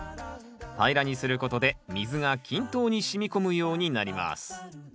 平らにすることで水が均等にしみ込むようになります